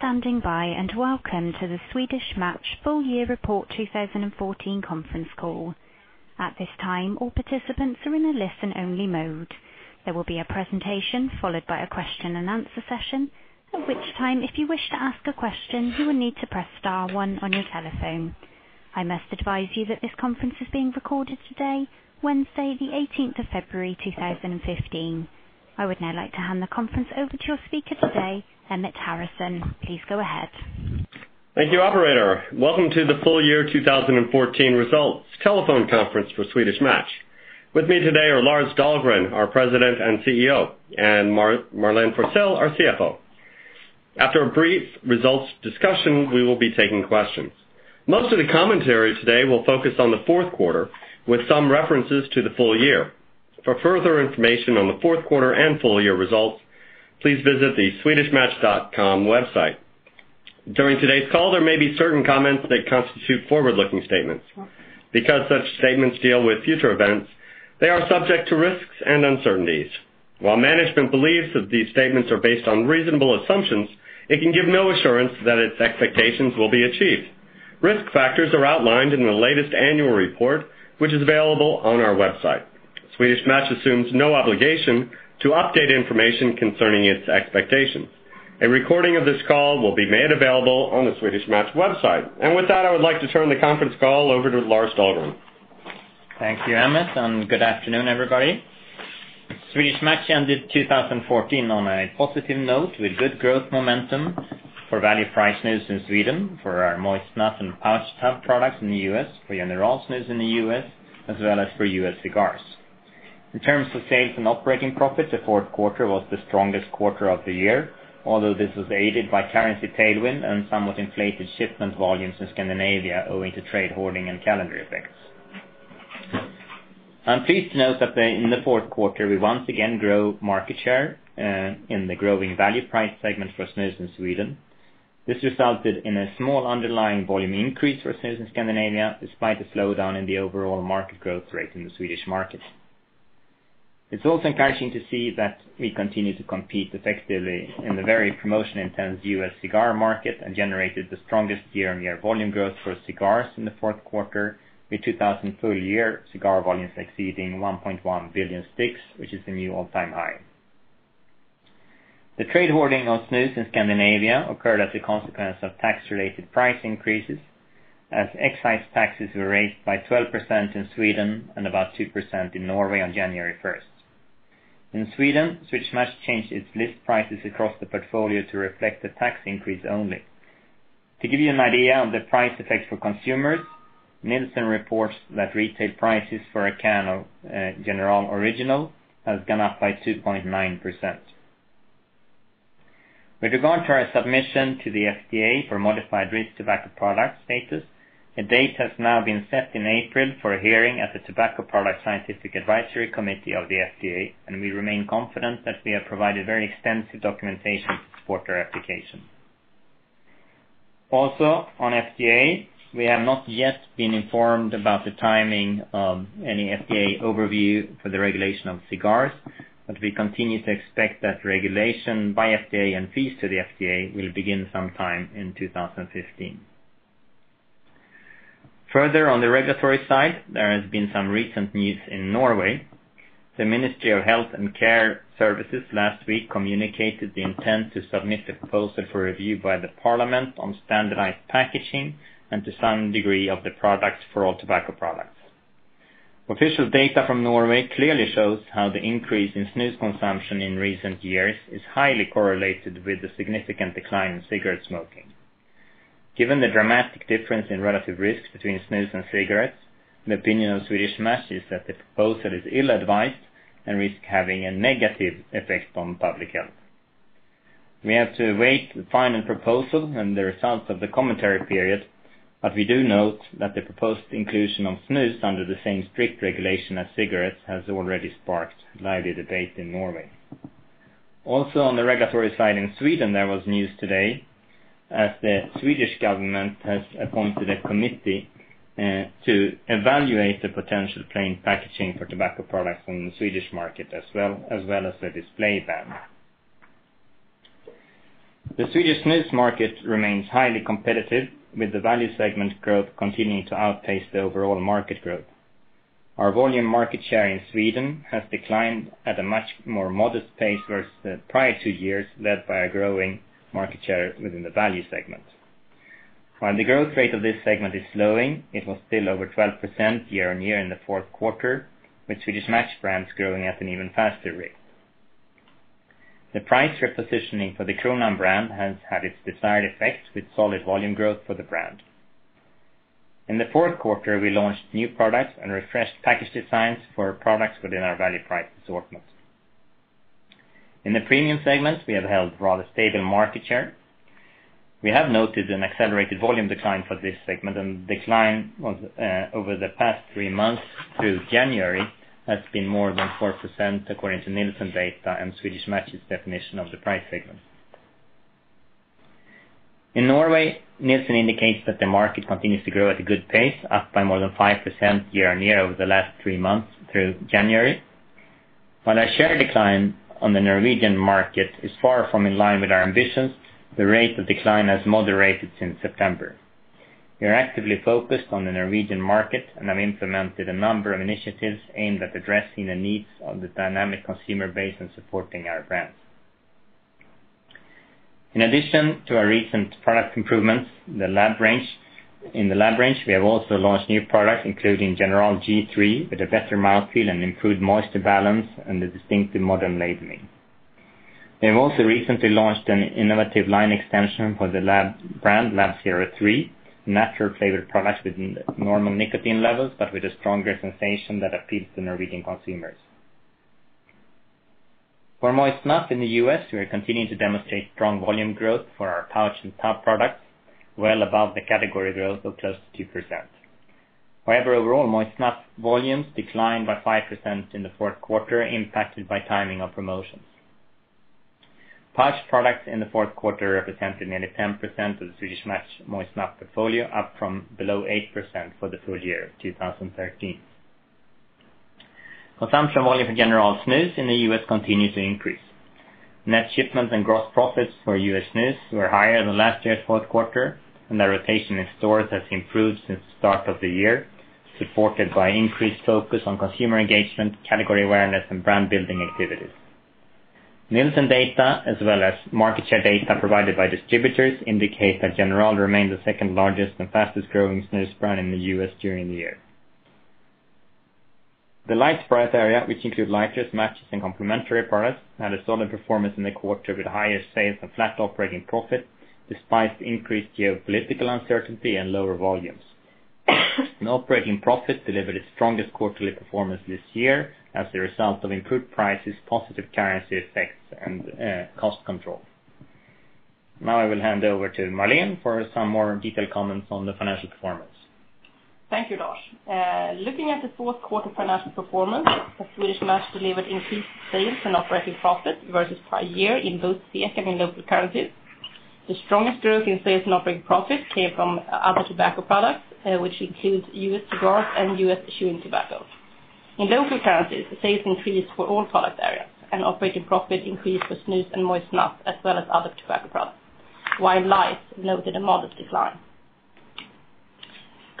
Thank you for standing by. Welcome to the Swedish Match Full Year Report 2014 conference call. At this time, all participants are in a listen-only mode. There will be a presentation followed by a question and answer session, at which time, if you wish to ask a question, you will need to press star one on your telephone. I must advise you that this conference is being recorded today, Wednesday, the 18th of February, 2015. I would now like to hand the conference over to your speaker today, Emmett Harrison. Please go ahead. Thank you, operator. Welcome to the Full Year 2014 Results Telephone Conference for Swedish Match. With me today are Lars Dahlgren, our President and CEO, and Marlene Forsell, our CFO. After a brief results discussion, we will be taking questions. Most of the commentary today will focus on the fourth quarter, with some references to the full year. For further information on the fourth quarter and full-year results, please visit the swedishmatch.com website. During today's call, there may be certain comments that constitute forward-looking statements. Because such statements deal with future events, they are subject to risks and uncertainties. While management believes that these statements are based on reasonable assumptions, it can give no assurance that its expectations will be achieved. Risk factors are outlined in the latest annual report, which is available on our website. Swedish Match assumes no obligation to update information concerning its expectations. A recording of this call will be made available on the Swedish Match website. With that, I would like to turn the conference call over to Lars Dahlgren. Thank you, Emmett. Good afternoon, everybody. Swedish Match ended 2014 on a positive note with good growth momentum for value-priced snus in Sweden for our moist snuff and pouch tab products in the U.S., for General Snus in the U.S., as well as for U.S. cigars. In terms of sales and operating profits, the fourth quarter was the strongest quarter of the year, although this was aided by currency tailwind and somewhat inflated shipment volumes in Scandinavia owing to trade hoarding and calendar effects. I am pleased to note that in the fourth quarter, we once again grow market share in the growing value price segment for snus in Sweden. This resulted in a small underlying volume increase for snus in Scandinavia, despite a slowdown in the overall market growth rate in the Swedish market. It's also encouraging to see that we continue to compete effectively in the very promotion-intense U.S. cigar market and generated the strongest year-over-year volume growth for cigars in the fourth quarter, with 2000 full-year cigar volumes exceeding 1.1 billion sticks, which is a new all-time high. The trade hoarding of snus in Scandinavia occurred as a consequence of tax-related price increases as excise taxes were raised by 12% in Sweden and about 2% in Norway on January 1st. In Sweden, Swedish Match changed its list prices across the portfolio to reflect the tax increase only. To give you an idea of the price effect for consumers, Nielsen reports that retail prices for a can of General Original has gone up by 2.9%. With regard to our submission to the FDA for modified risk tobacco product status, a date has now been set in April for a hearing at the Tobacco Products Scientific Advisory Committee of the FDA. We remain confident that we have provided very extensive documentation to support our application. On FDA, we have not yet been informed about the timing of any FDA overview for the regulation of cigars, but we continue to expect that regulation by FDA and fees to the FDA will begin sometime in 2015. On the regulatory side, there has been some recent news in Norway. The Ministry of Health and Care Services last week communicated the intent to submit a proposal for review by the Parliament on standardized packaging and to some degree of the products for all tobacco products. Official data from Norway clearly shows how the increase in snus consumption in recent years is highly correlated with the significant decline in cigarette smoking. Given the dramatic difference in relative risks between snus and cigarettes, the opinion of Swedish Match is that the proposal is ill-advised and risks having a negative effect on public health. We have to await the final proposal and the results of the commentary period, but we do note that the proposed inclusion of snus under the same strict regulation as cigarettes has already sparked lively debate in Norway. On the regulatory side in Sweden, there was news today that the Swedish government has appointed a committee to evaluate the potential plain packaging for tobacco products in the Swedish market, as well as the display ban. The Swedish snus market remains highly competitive, with the value segment growth continuing to outpace the overall market growth. Our volume market share in Sweden has declined at a much more modest pace versus the prior two years, led by a growing market share within the value segment. The growth rate of this segment is slowing, it was still over 12% year-over-year in the fourth quarter, with Swedish Match brands growing at an even faster rate. The price repositioning for the Kronan brand has had its desired effect, with solid volume growth for the brand. In the fourth quarter, we launched new products and refreshed package designs for products within our value price assortment. In the premium segments, we have held rather stable market share. We have noted an accelerated volume decline for this segment, and the decline over the past three months through January has been more than 4%, according to Nielsen data and Swedish Match's definition of the price segment. In Norway, Nielsen indicates that the market continues to grow at a good pace, up by more than 5% year-over-year over the last three months through January. While our share decline on the Norwegian market is far from in line with our ambitions, the rate of decline has moderated since September. We are actively focused on the Norwegian market and have implemented a number of initiatives aimed at addressing the needs of the dynamic consumer base in supporting our brands. In addition to our recent product improvements in the Lab range, we have also launched new products, including General G.3, with a better mouthfeel and improved moisture balance and a distinctive modern labeling. We have also recently launched an innovative line extension for the Lab brand, Lab 03, a natural flavored product with normal nicotine levels but with a stronger sensation that appeals to Norwegian consumers. For moist snuff in the U.S., we are continuing to demonstrate strong volume growth for our pouch and tub products, well above the category growth of close to 2%. Overall, moist snuff volumes declined by 5% in the fourth quarter, impacted by timing of promotions. Pouched products in the fourth quarter represented nearly 10% of the Swedish Match moist snuff portfolio, up from below 8% for the full year of 2013. Consumption volume for General Snus in the U.S. continue to increase. Net shipments and gross profits for U.S. Snus were higher than last year's fourth quarter, and the rotation in stores has improved since the start of the year, supported by increased focus on consumer engagement, category awareness, and brand-building activities. Nielsen data, as well as market share data provided by distributors, indicate that General remained the second largest and fastest-growing snus brand in the U.S. during the year. The lights product area, which include lighters, matches, and complementary products, had a solid performance in the quarter with higher sales and flat operating profit despite increased geopolitical uncertainty and lower volumes. Operating profit delivered its strongest quarterly performance this year as a result of improved prices, positive currency effects, and cost control. Now I will hand over to Marlene for some more detailed comments on the financial performance. Thank you, Lars. Looking at the fourth quarter financial performance, Swedish Match delivered increased sales and operating profit versus prior year in both SEK and in local currencies. The strongest growth in sales and operating profit came from other tobacco products, which includes U.S. cigars and U.S. chewing tobacco. In local currencies, sales increased for all product areas, and operating profit increased for snus and moist snuff as well as other tobacco products, while lights noted a modest decline.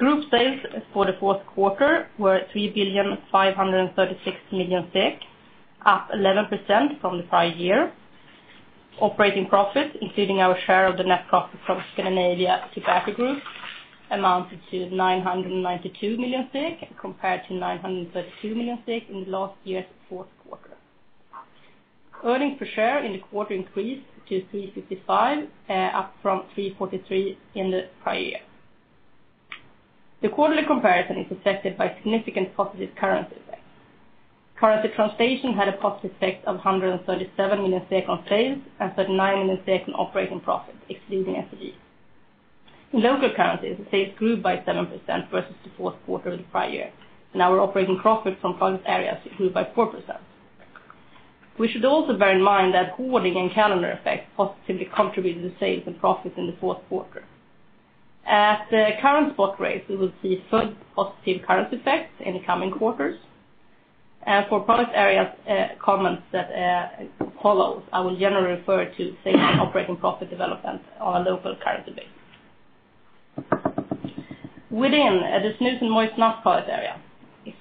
Group sales for the fourth quarter were 3,536,000,000 SEK, up 11% from the prior year. Operating profit, including our share of the net profit from Scandinavian Tobacco Group, amounted to 992,000,000 SEK compared to 932,000,000 SEK in last year's fourth quarter. Earnings per share in the quarter increased to 3.65, up from 3.43 in the prior year. The quarterly comparison is affected by significant positive currency effects. Currency translation had a positive effect of 137,000,000 on sales and 39,000,000 on operating profit, excluding FCE. In local currencies, sales grew by 7% versus the fourth quarter of the prior year. Our operating profit from product areas grew by 4%. We should also bear in mind that hoarding and calendar effects positively contributed to sales and profits in the fourth quarter. At the current spot rates, we will see full positive currency effects in the coming quarters. For product areas comments that follow, I will generally refer to sales and operating profit development on a local currency basis. Within the snus and moist snuff product area,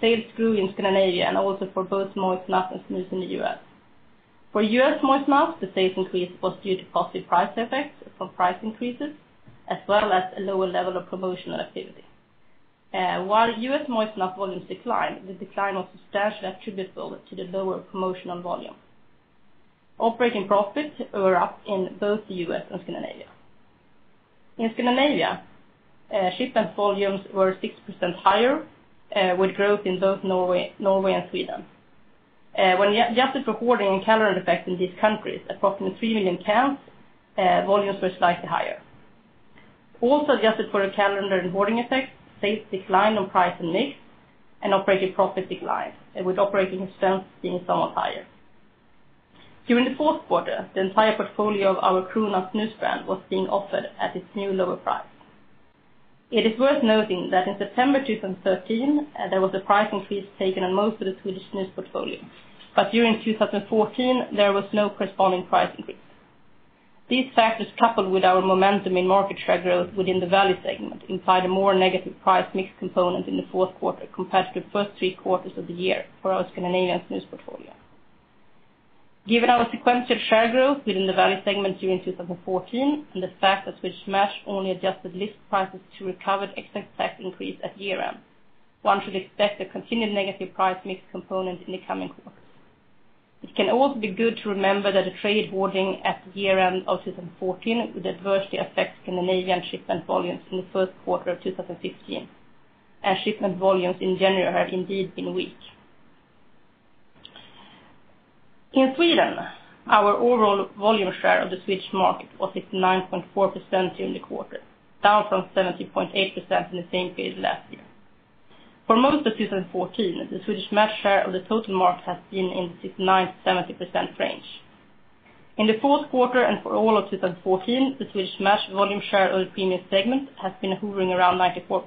sales grew in Scandinavia and also for both moist snuff and snus in the U.S. For U.S. moist snuff, the sales increase was due to positive price effects from price increases, as well as a lower level of promotional activity. While U.S. moist snuff volumes declined, the decline was substantial attributable to the lower promotional volume. Operating profits were up in both the U.S. and Scandinavia. In Scandinavia, shipment volumes were 6% higher, with growth in both Norway and Sweden. When adjusted for hoarding and calendar effects in these countries, approximately 3 million cans, volumes were slightly higher. Also adjusted for the calendar and hoarding effect, sales declined on price and mix, and operating profit declined, with operating expense being somewhat higher. During the fourth quarter, the entire portfolio of our Kronan snus brand was being offered at its new lower price. It is worth noting that in September 2013, there was a price increase taken on most of the Swedish snus portfolio. During 2014, there was no corresponding price increase. These factors, coupled with our momentum in market share growth within the value segment, implied a more negative price mix component in the fourth quarter compared to the first three quarters of the year for our Scandinavian snus portfolio. Given our sequential share growth within the value segment during 2014 and the fact that Swedish Match only adjusted list prices to recovered excise tax increase at year-end, one should expect a continued negative price mix component in the coming quarters. It can also be good to remember that the trade hoarding at year-end of 2014 would adversely affect Scandinavian shipment volumes in the first quarter of 2015, and shipment volumes in January have indeed been weak. In Sweden, our overall volume share of the Swedish market was 69.4% in the quarter, down from 70.8% in the same period last year. For most of 2014, the Swedish Match share of the total market has been in 69%-70% range. In the fourth quarter and for all of 2014, the Swedish Match volume share of the premium segment has been hovering around 94%,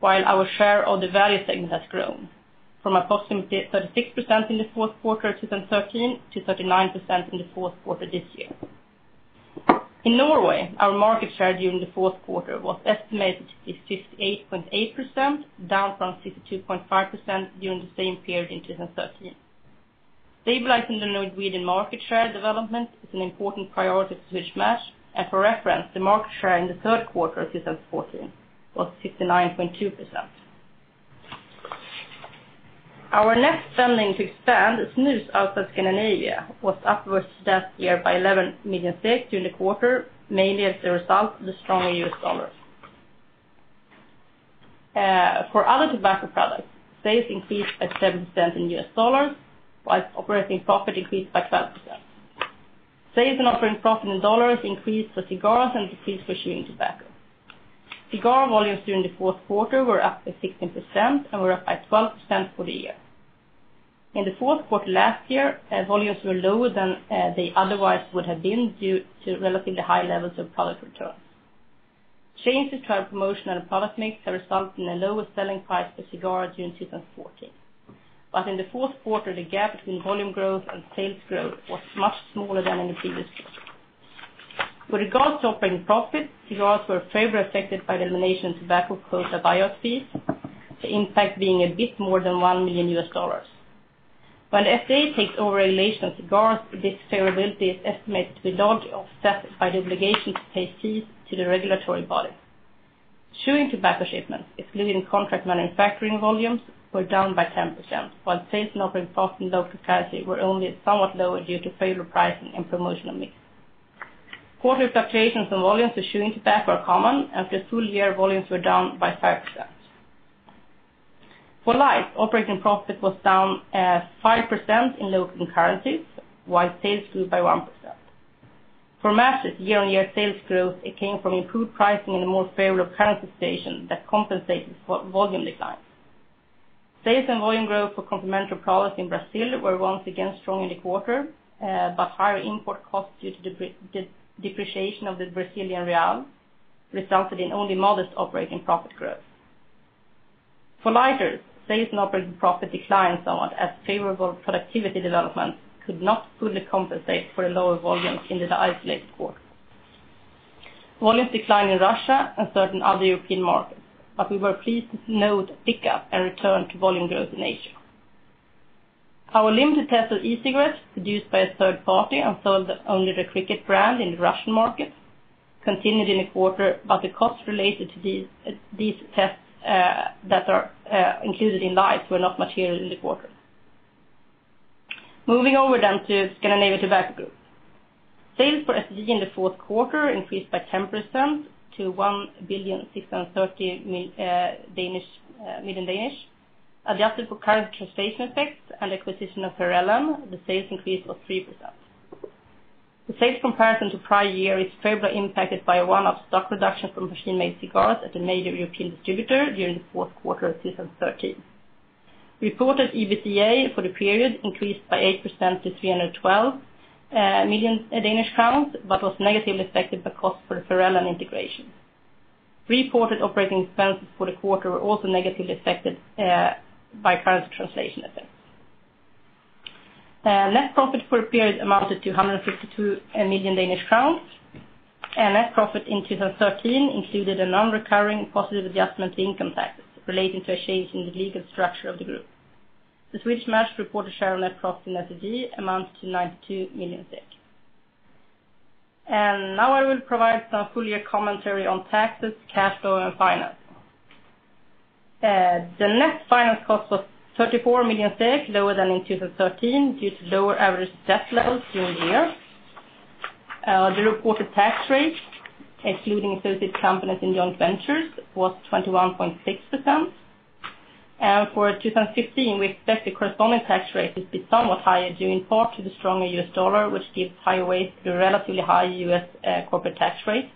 while our share of the value segment has grown from approximately 36% in the fourth quarter of 2013 to 39% in the fourth quarter this year. In Norway, our market share during the fourth quarter was estimated to be 58.8%, down from 62.5% during the same period in 2013. Stabilizing the Norwegian market share development is an important priority for Swedish Match, and for reference, the market share in the third quarter of 2014 was 59.2%. Our net spending to expand snus outside Scandinavia was upwards last year by 11 million during the quarter, mainly as a result of the stronger U.S. dollar. For other tobacco products, sales increased by 7% in U.S. dollars, while operating profit increased by 12%. Sales and operating profit in U.S. dollars increased for cigars and decreased for chewing tobacco. Cigar volumes during the fourth quarter were up by 16% and were up by 12% for the year. In the fourth quarter last year, volumes were lower than they otherwise would have been due to relatively high levels of product returns. Changes to our promotional product mix have resulted in a lower selling price for cigars during 2014. In the fourth quarter, the gap between volume growth and sales growth was much smaller than in the previous quarter. With regards to operating profit, cigars were favorably affected by the elimination of tobacco quota buyout fees, the impact being a bit more than $1 million. When the FDA takes over regulation of cigars, this favorability is estimated to be largely offset by the obligation to pay fees to the regulatory body. Chewing tobacco shipments, excluding contract manufacturing volumes, were down by 10%, while sales and operating profit in local currency were only somewhat lower due to favorable pricing and promotional mix. Quarterly fluctuations in volumes for chewing tobacco are common, and the full-year volumes were down by 5%. For lights, operating profit was down 5% in local currencies, while sales grew by 1%. For matches, year-on-year sales growth came from improved pricing and a more favorable currency situation that compensated for volume declines. Sales and volume growth for complementary products in Brazil were once again strong in the quarter, but higher import costs due to depreciation of the Brazilian real resulted in only modest operating profit growth. For lighters, sales and operating profit declined somewhat as favorable productivity development could not fully compensate for the lower volumes in the isolated quarter. Volumes declined in Russia and certain other European markets, but we were pleased to note a pickup and return to volume growth in Asia. Our limited test of e-cigarettes produced by a third party and sold under the Cricket brand in the Russian market continued in the quarter, but the costs related to these tests that are included in lights were not material in the quarter. Moving over to Scandinavian Tobacco Group. Sales for STG in the fourth quarter increased by 10% to 1.63 billion. Adjusted for currency translation effects and acquisition of Ferreirinha, the sales increase was 3%. The sales comparison to prior year is favorably impacted by a one-off stock reduction from machine-made cigars at a major European distributor during the fourth quarter of 2013. Reported EBITDA for the period increased by 8% to 312 million Danish crowns, but was negatively affected by cost for the Ferreirinha integration. Reported operating expenses for the quarter were also negatively affected by currency translation effects. Net profit for the period amounted to 152 million Danish crowns. Net profit in 2013 included a non-recurring positive adjustment to income tax relating to a change in the legal structure of the group. The Swedish Match reported share of net profit in STG amounts to 92 million. Now I will provide some full-year commentary on taxes, cash flow, and finance. The net finance cost was 34 million lower than in 2013 due to lower average debt levels during the year. The reported tax rate, excluding associated companies and joint ventures, was 21.6%. For 2015, we expect the corresponding tax rate to be somewhat higher due in part to the stronger U.S. dollar, which gives higher weight to the relatively high U.S. corporate tax rate.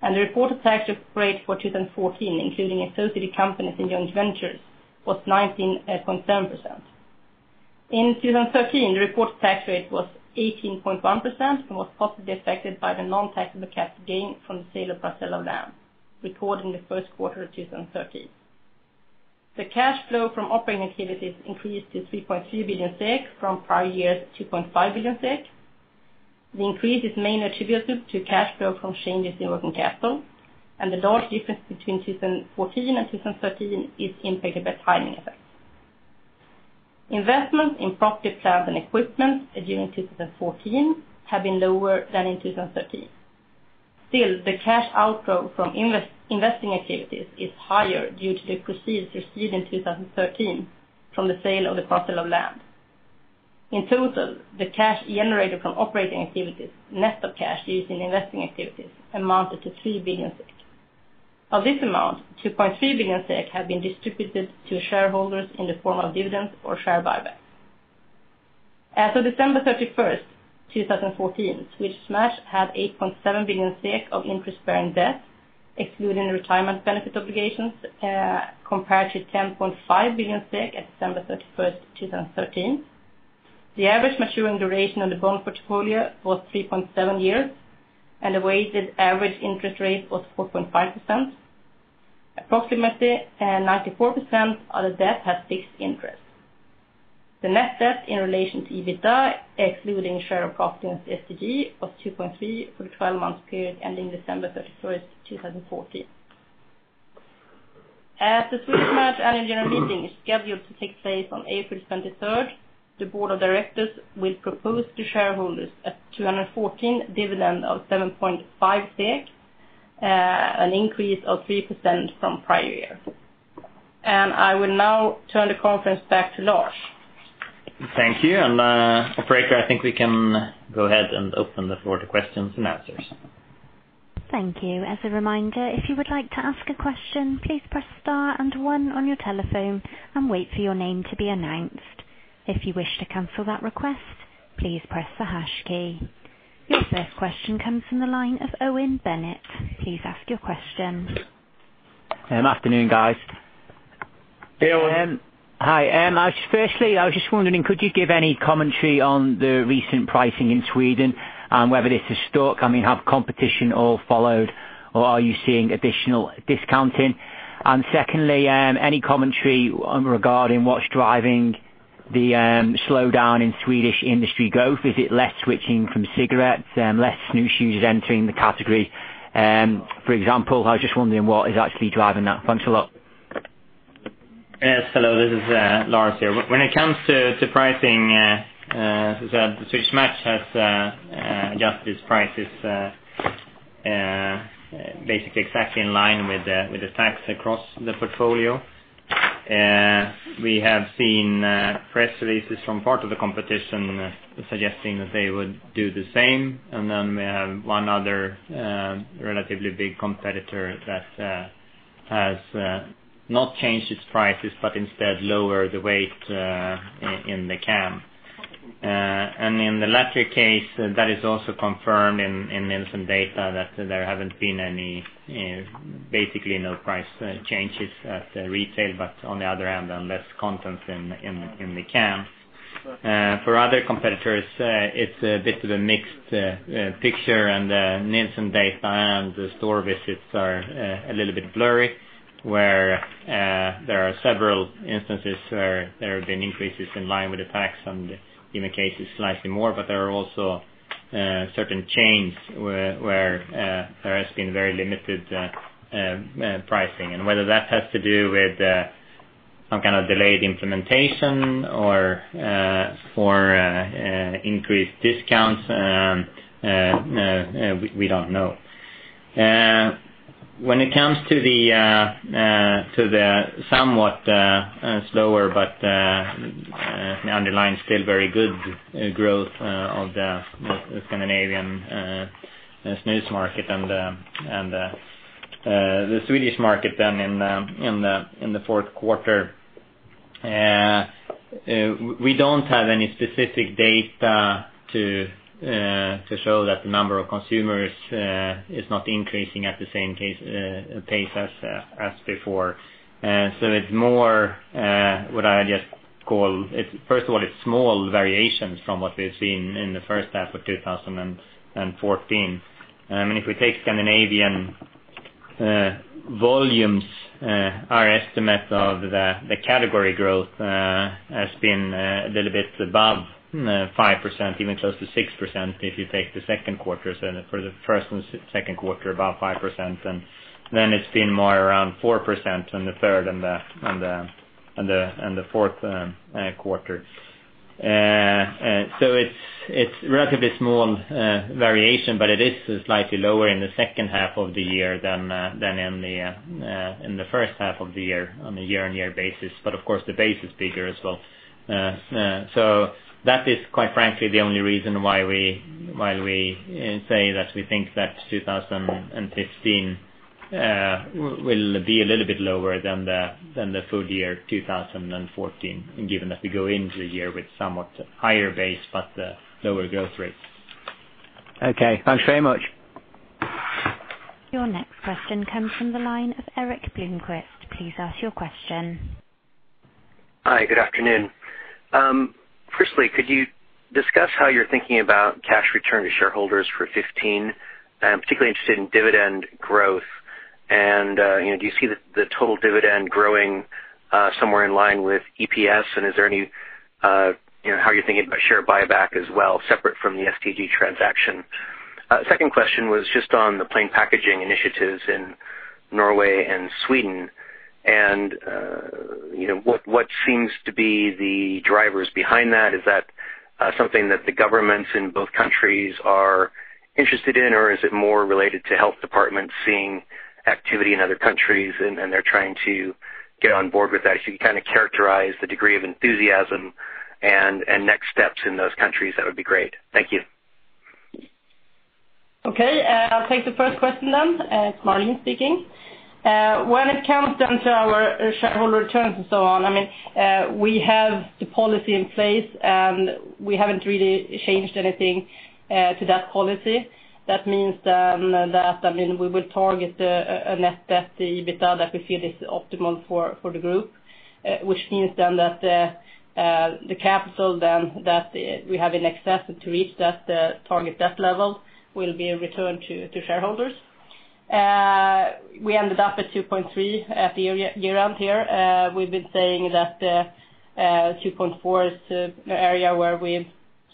The reported tax rate for 2014, including associated companies and joint ventures, was 19.7%. In 2013, the reported tax rate was 18.1% and was positively affected by the non-taxable cap gain from the sale of parcel of land recorded in the first quarter of 2013. The cash flow from operating activities increased to 3.3 billion SEK from prior year's 2.5 billion SEK. The increase is mainly attributable to cash flow from changes in working capital, and the large difference between 2014 and 2013 is impacted by timing effects. Investments in property, plant, and equipment during 2014 have been lower than in 2013. Still, the cash outflow from investing activities is higher due to the proceeds received in 2013 from the sale of the parcel of land. In total, the cash generated from operating activities, net of cash used in investing activities, amounted to 3 billion SEK. Of this amount, 2.3 billion SEK have been distributed to shareholders in the form of dividends or share buybacks. As of December 31st, 2014, Swedish Match had 8.7 billion SEK of interest-bearing debt excluding the retirement benefit obligations, compared to 10.5 billion SEK at December 31st, 2013. The average maturing duration of the bond portfolio was 3.7 years, and the weighted average interest rate was 4.5%. Approximately 94% of the debt had fixed interest. The net debt in relation to EBITDA, excluding share of profit in STG, was 2.3 for the 12-month period ending December 31st, 2014. As the Swedish Match Annual General Meeting is scheduled to take place on April 23rd, the board of directors will propose to shareholders a 2014 dividend of 7.5, an increase of 3% from prior year. I will now turn the conference back to Lars. Thank you. Operator, I think we can go ahead and open the floor to questions and answers. Thank you. As a reminder, if you would like to ask a question, please press star and one on your telephone and wait for your name to be announced. If you wish to cancel that request, please press the hash key. Your first question comes from the line of Owen Bennett. Please ask your question. Good afternoon, guys. Hey, Owen. Hi. Firstly, I was just wondering, could you give any commentary on the recent pricing in Sweden and whether this is stuck? I mean, have competition all followed or are you seeing additional discounting? Secondly, any commentary regarding what's driving the slowdown in Swedish industry growth? Is it less switching from cigarettes, less snus users entering the category, for example? I was just wondering what is actually driving that. Thanks a lot. Yes, hello. This is Lars here. When it comes to pricing, Swedish Match has adjusted its prices basically exactly in line with the tax across the portfolio. We have seen press releases from part of the competition suggesting that they would do the same. We have 1 other relatively big competitor that has not changed its prices, but instead lowered the weight in the can. In the latter case, that is also confirmed in Nielsen data that there haven't been any, basically no price changes at retail, but on the other hand, less content in the can. For other competitors, it's a bit of a mixed picture, the Nielsen data and the store visits are a little bit blurry, where there are several instances where there have been increases in line with the tax and in some cases slightly more. There are also certain chains where there has been very limited pricing. Whether that has to do with some kind of delayed implementation or increased discounts, we don't know. When it comes to the somewhat slower but underlying still very good growth of the Scandinavian snus market and the Swedish market then in the fourth quarter, we don't have any specific data to show that the number of consumers is not increasing at the same pace as before. It's more what I just call. First of all, it's small variations from what we've seen in the first half of 2014. If we take Scandinavian volumes, our estimate of the category growth has been a little bit above 5%, even close to 6% if you take the second quarter. For the first and second quarter, about 5%, it's been more around 4% in the third and the fourth quarter. It's relatively small variation, but it is slightly lower in the second half of the year than in the first half of the year on a year-on-year basis. Of course, the base is bigger as well. That is quite frankly the only reason why we say that we think that 2015 will be a little bit lower than the full year 2014, given that we go into the year with somewhat higher base but lower growth rates. Okay, thanks very much. Your next question comes from the line of Erik Bloomquist. Please ask your question. Hi, good afternoon. Firstly, could you discuss how you're thinking about cash return to shareholders for 2015? I'm particularly interested in dividend growth. Do you see the total dividend growing somewhere in line with EPS? How are you thinking about share buyback as well, separate from the STG transaction? Second question was just on the plain packaging initiatives in Norway and Sweden. What seems to be the drivers behind that? Is that something that the governments in both countries are interested in, or is it more related to health departments seeing activity in other countries and they're trying to get on board with that? If you could characterize the degree of enthusiasm and next steps in those countries, that would be great. Thank you. Okay. I'll take the first question then. It's Marlene speaking. When it comes down to our shareholder returns and so on, we have the policy in place, and we haven't really changed anything to that policy. That means that we will target a net debt EBITDA that we feel is optimal for the group, which means then that the capital then that we have in excess to reach that target debt level will be returned to shareholders. We ended up at 2.3 at the year-end here. We've been saying that 2.4 is the area where we've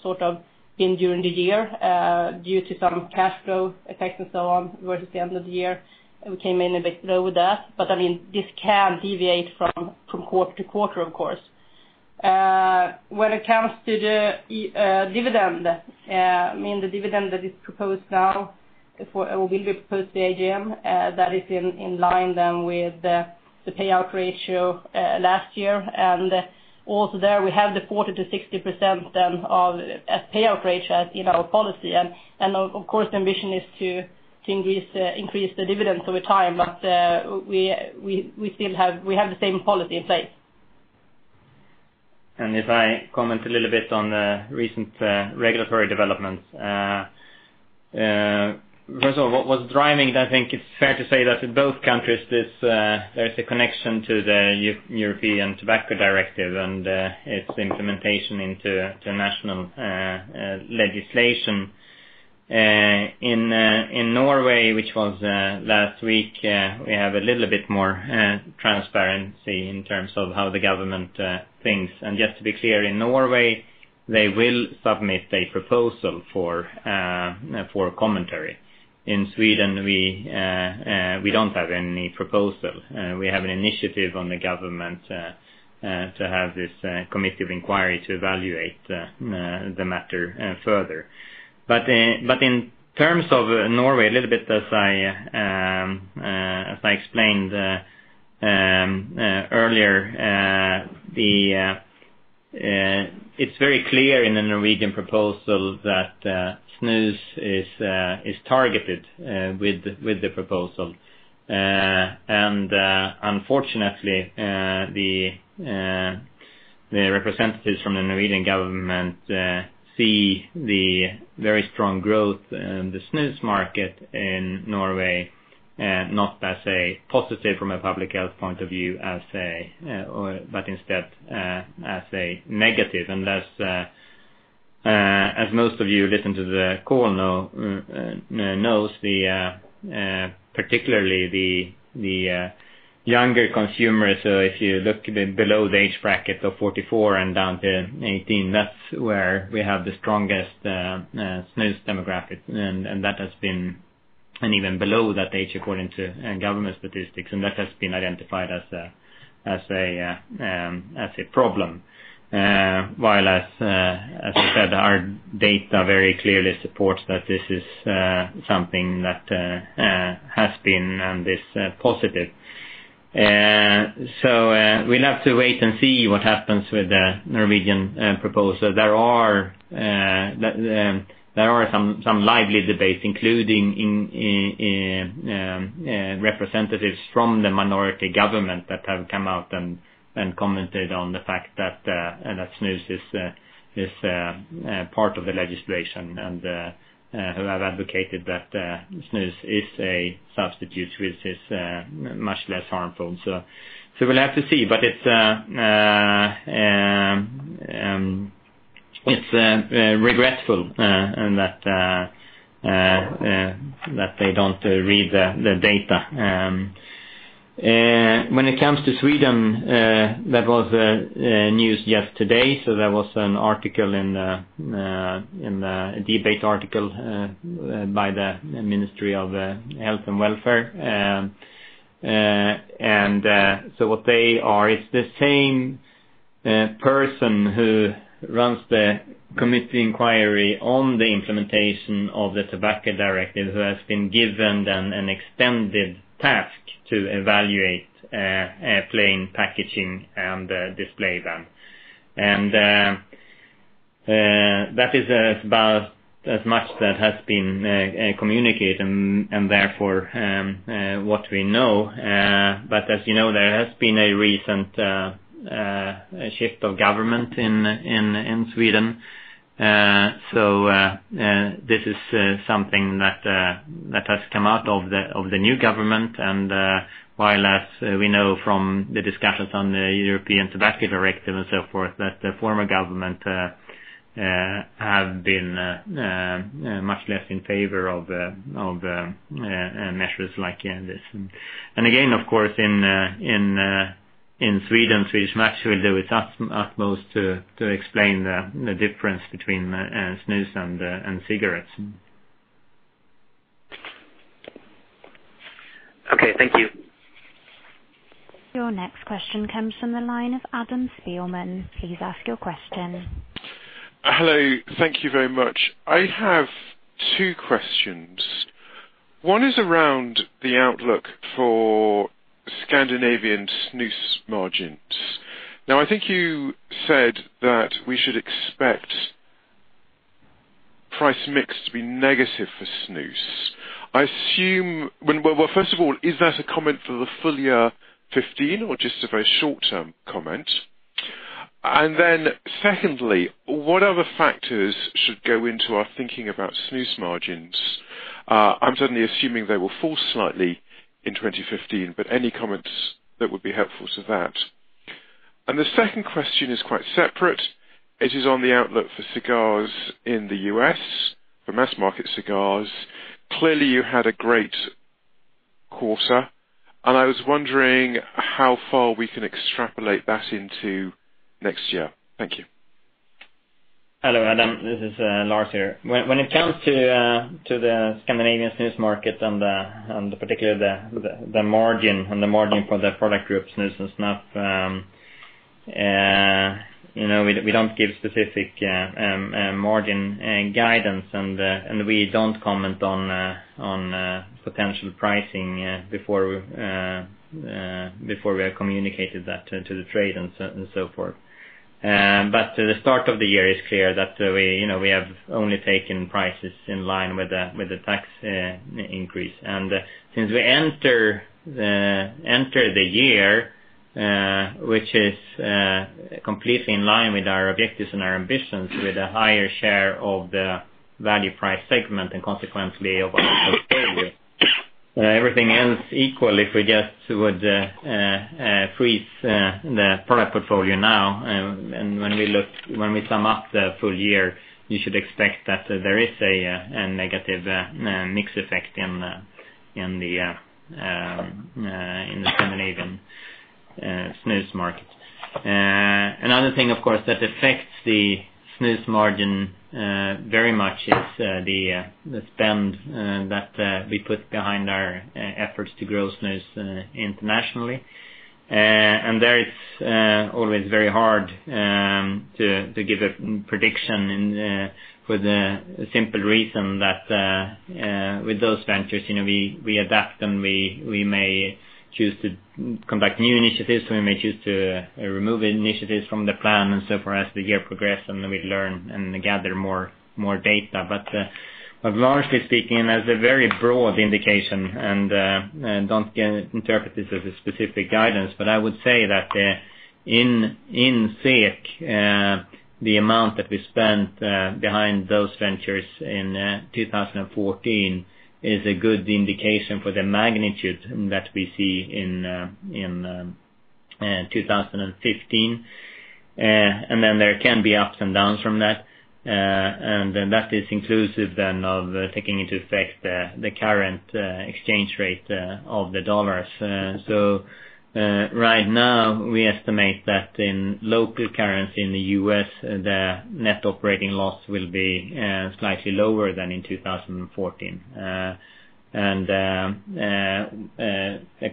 sort of been during the year. Due to some cash flow effects and so on towards the end of the year, we came in a bit low with that. This can deviate from quarter to quarter, of course. When it comes to the dividend, the dividend that is proposed now, or will be proposed to the AGM, that is in line then with the payout ratio last year. Also there we have the 40%-60% then of payout ratio in our policy. Of course, the ambition is to increase the dividends over time. We have the same policy in place. If I comment a little bit on the recent regulatory developments. First of all, what was driving it, I think it's fair to say that in both countries, there is a connection to the European Tobacco Products Directive and its implementation into national legislation. In Norway, which was last week, we have a little bit more transparency in terms of how the government thinks. Just to be clear, in Norway, they will submit a proposal for commentary. In Sweden, we don't have any proposal. We have an initiative on the government to have this committee of inquiry to evaluate the matter further. In terms of Norway, a little bit as I explained earlier, it's very clear in the Norwegian proposal that snus is targeted with the proposal. Unfortunately, the representatives from the Norwegian government see the very strong growth in the snus market in Norway not as a positive from a public health point of view, but instead as a negative. As most of you listen to the call knows, particularly the younger consumers, if you look below the age bracket of 44 and down to 18, that's where we have the strongest snus demographic, and even below that age, according to government statistics, and that has been identified as a problem. While as you said, our data very clearly supports that this is something that has been this positive. We'll have to wait and see what happens with the Norwegian proposal. There are some lively debates, including representatives from the minority government that have come out and commented on the fact that snus is part of the legislation and who have advocated that snus is a substitute which is much less harmful. We'll have to see. It's regretful that they don't read the data. When it comes to Sweden, there was news yesterday, there was a debate article by the Ministry of Health and Social Affairs. It's the same person who runs the committee inquiry on the implementation of the Tobacco Products Directive, who has been given an extended task to evaluate plain packaging and display ban. That is about as much that has been communicated and therefore what we know. As you know, there has been a recent shift of government in Sweden. This is something that has come out of the new government. While as we know from the discussions on the European Tobacco Products Directive and so forth, that the former government have been much less in favor of measures like this. Again, of course, in Sweden, Swedish Match will do its utmost to explain the difference between snus and cigarettes. Okay. Thank you. Your next question comes from the line of Adam Spielman. Please ask your question. Hello. Thank you very much. I have two questions. One is around the outlook for Scandinavian snus margins. Now, I think you said that we should expect Price mix to be negative for snus. First of all, is that a comment for the full year 2015 or just a very short-term comment? Secondly, what other factors should go into our thinking about snus margins? I'm certainly assuming they will fall slightly in 2015, but any comments that would be helpful to that. The second question is quite separate. It is on the outlook for cigars in the U.S., for mass-market cigars. Clearly, you had a great quarter, and I was wondering how far we can extrapolate that into next year. Thank you. Hello, Adam. This is Lars here. When it comes to the Scandinavian snus market and particularly the margin for the product group, snus and snuff, we don't give specific margin guidance, and we don't comment on potential pricing before we have communicated that to the trade and so forth. The start of the year is clear that we have only taken prices in line with the tax increase. Since we enter the year, which is completely in line with our objectives and our ambitions with a higher share of the value price segment and consequently of our portfolio. Everything else equal, if we just would freeze the product portfolio now, and when we sum up the full year, you should expect that there is a negative mix effect in the Scandinavian snus market. Another thing, of course, that affects the snus margin very much is the spend that we put behind our efforts to grow snus internationally. There it's always very hard to give a prediction for the simple reason that with those ventures, we adapt them. We may choose to conduct new initiatives, we may choose to remove initiatives from the plan and so forth as the year progressed. Then we learn and gather more data. Largely speaking, as a very broad indication, don't interpret this as a specific guidance, I would say that in SEK, the amount that we spent behind those ventures in 2014 is a good indication for the magnitude that we see in 2015. Then there can be ups and downs from that, and that is inclusive then of taking into effect the current exchange rate of the dollars. Right now we estimate that in local currency in the U.S., the net operating loss will be slightly lower than in 2014. A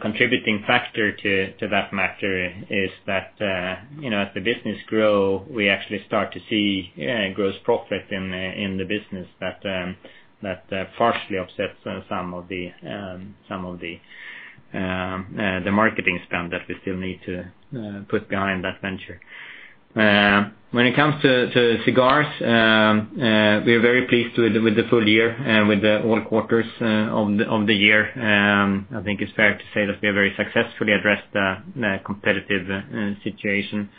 contributing factor to that matter is that as the business grow, we actually start to see gross profit in the business that partially offsets some of the marketing spend that we still need to put behind that venture. When it comes to cigars, we are very pleased with the full year, with the whole quarters of the year. I think it's fair to say that we have very successfully addressed the competitive situation.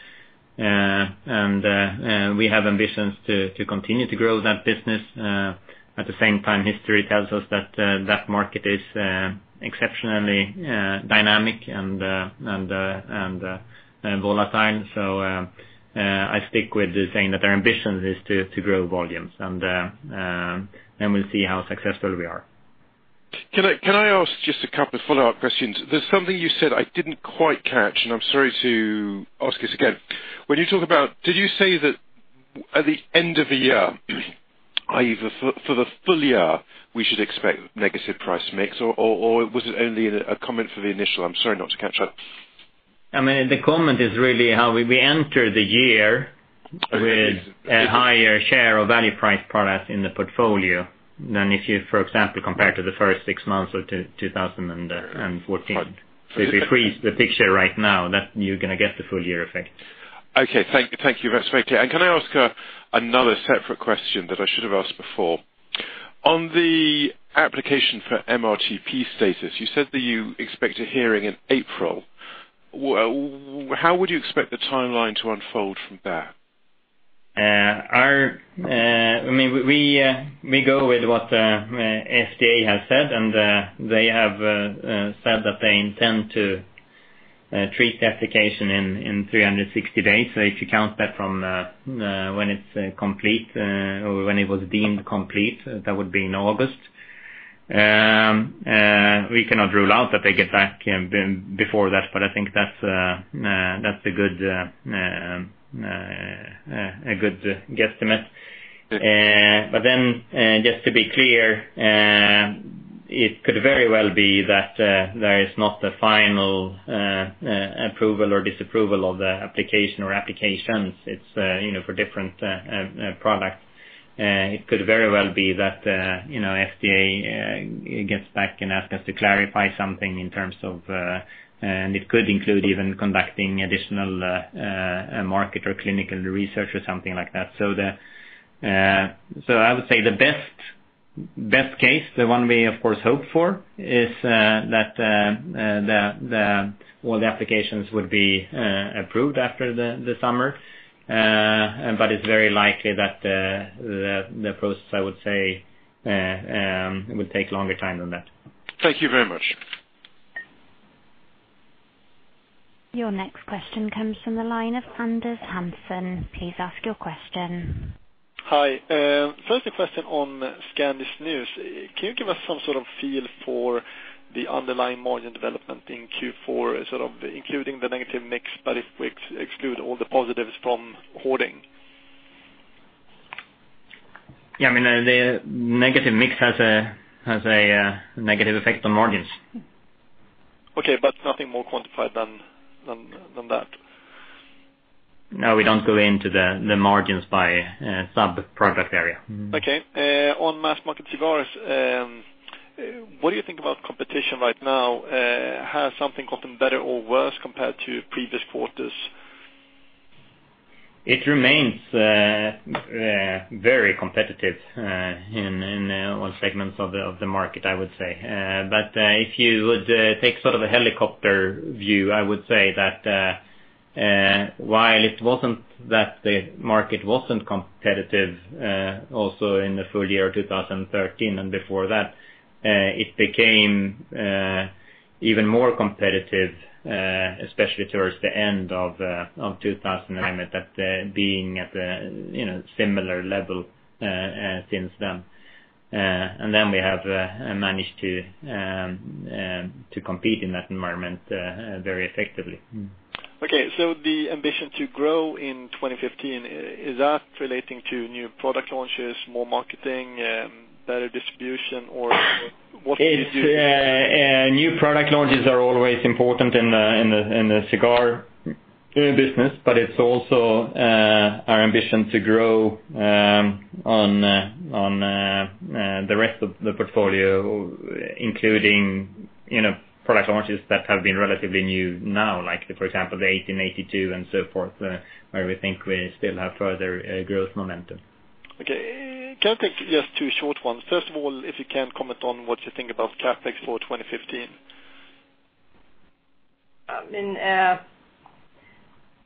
We have ambitions to continue to grow that business. At the same time, history tells us that that market is exceptionally dynamic and volatile. I stick with saying that our ambition is to grow volumes, and then we'll see how successful we are. Can I ask just a couple of follow-up questions? There's something you said I didn't quite catch, and I'm sorry to ask this again. Did you say that at the end of the year, either for the full year, we should expect negative price mix, or was it only a comment for the initial? I'm sorry not to capture that. The comment is really how we enter the year with a higher share of value price products in the portfolio than if you, for example, compare to the first six months of 2014. If we freeze the picture right now, that you're going to get the full year effect. Okay. Thank you. That's very clear. Can I ask another separate question that I should have asked before? On the application for MRTP status, you said that you expect a hearing in April. How would you expect the timeline to unfold from there? We go with what FDA has said, and they have said that they intend to treat the application in 360 days. If you count that from when it's complete or when it was deemed complete, that would be in August. We cannot rule out that they get back before that, but I think that's a good guesstimate. Just to be clear, it could very well be that there is not the final approval or disapproval of the application or applications. It's for different products. It could very well be that FDA gets back and ask us to clarify something in terms of conducting additional market or clinical research or something like that. I would say the best case, the one we of course hope for, is that all the applications would be approved after the summer. It's very likely that the process, I would say, would take longer time than that. Thank you very much. Your next question comes from the line of Anders Hansen. Please ask your question. Hi. First a question on Scandi snus. Can you give us some sort of feel for the underlying margin development in Q4, including the negative mix, but if we exclude all the positives from hoarding? Yeah. The negative mix has a negative effect on margins. Okay. Nothing more quantified than that. No. We don't go into the margins by sub-product area. Okay. On mass market cigars, what do you think about competition right now? Has something gotten better or worse compared to previous quarters? It remains very competitive in all segments of the market, I would say. If you would take sort of a helicopter view, I would say that while it wasn't that the market wasn't competitive also in the full year 2013 and before that, it became even more competitive, especially towards the end of 2000. I meant that being at a similar level since then. We have managed to compete in that environment very effectively. Okay. The ambition to grow in 2015, is that relating to new product launches, more marketing, better distribution, or what? New product launches are always important in the cigar business. It's also our ambition to grow on the rest of the portfolio, including product launches that have been relatively new now, like for example, the 1882 and so forth, where we think we still have further growth momentum. Okay. Can I take just two short ones? First of all, if you can comment on what you think about CapEx for 2015.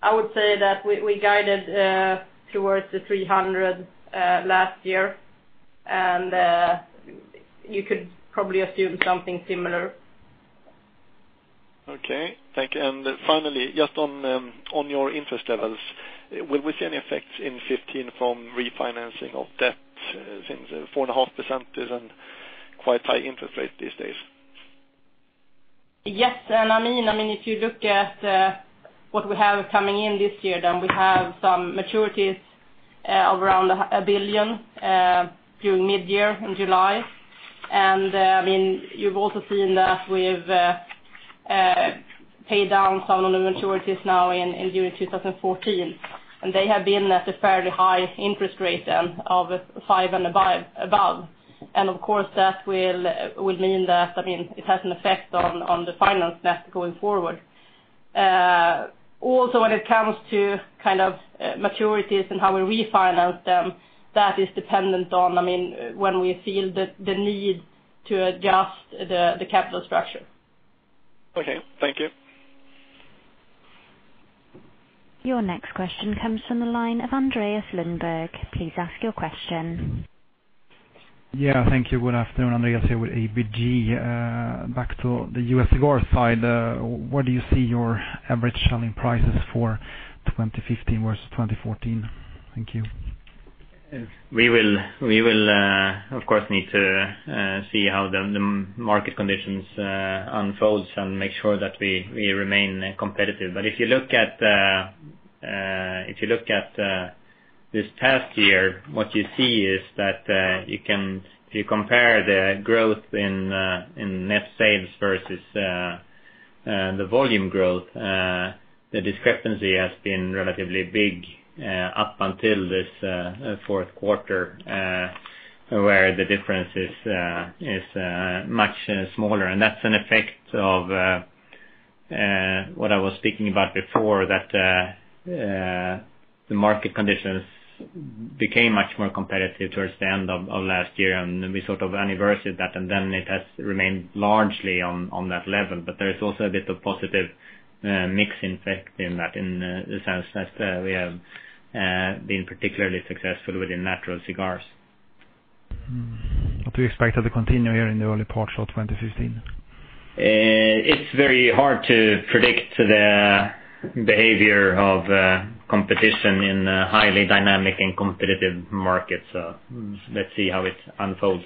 I would say that we guided towards 300 last year. You could probably assume something similar. Okay. Thank you. Finally, just on your interest levels, will we see any effects in 2015 from refinancing of debt since 4.5% is quite high interest rate these days? Yes. If you look at what we have coming in this year, we have some maturities of around 1 billion during mid-year in July. You've also seen that we've paid down some of the maturities now during 2014, and they have been at a fairly high interest rate then of 5% and above. Of course, that will mean that it has an effect on the finance net going forward. Also when it comes to maturities and how we refinance them, that is dependent on when we feel the need to adjust the capital structure. Okay. Thank you. Your next question comes from the line of Andreas Lindberg. Please ask your question. Yeah. Thank you. Good afternoon. Andreas here with ABG. Back to the U.S. cigar side, where do you see your average selling prices for 2015 versus 2014? Thank you. We will, of course, need to see how the market conditions unfolds and make sure that we remain competitive. If you look at this past year, what you see is that if you compare the growth in net sales versus the volume growth, the discrepancy has been relatively big up until this fourth quarter, where the difference is much smaller. That's an effect of what I was speaking about before, that the market conditions became much more competitive towards the end of last year, and we sort of anniversaried that, and then it has remained largely on that level. There is also a bit of positive mix effect in that, in the sense that we have been particularly successful within natural cigars. We expect that to continue here in the early parts of 2015. It's very hard to predict the behavior of competition in a highly dynamic and competitive market. Let's see how it unfolds.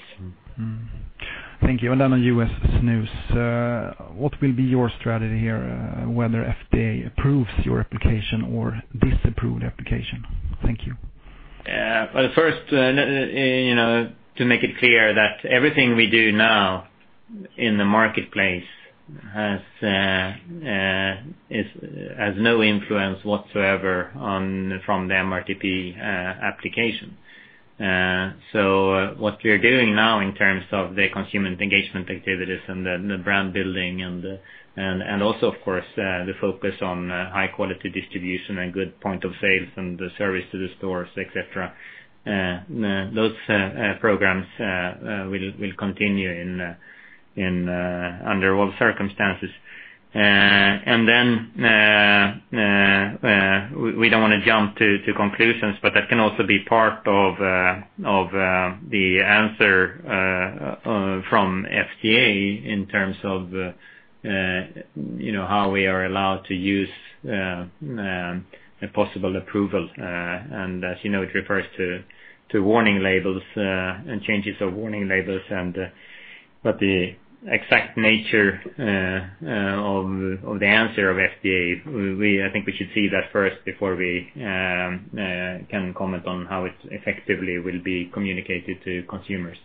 Thank you. Then on U.S. snus, what will be your strategy here, whether FDA approves your application or disapprove the application? Thank you. First, to make it clear that everything we do now in the marketplace has no influence whatsoever from the MRTP application. What we're doing now in terms of the consumer engagement activities and the brand building and also of course, the focus on high quality distribution and good point of sales and the service to the stores, et cetera, those programs will continue under all circumstances. We don't want to jump to conclusions, but that can also be part of the answer from FDA in terms of how we are allowed to use a possible approval. As you know, it refers to warning labels and changes of warning labels. The exact nature of the answer of FDA, I think we should see that first before we can comment on how it effectively will be communicated to consumers.